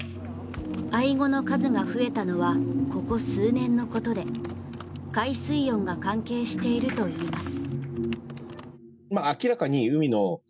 アイゴの数が増えたのはここ数年のことで海水温が関係しているといいます。